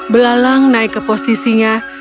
belalang naik ke posisinya